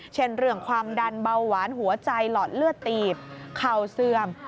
เช่นเรื่องความดันเบาหวานหัวใจหลอดเลือดตีบเข่าเสื่อม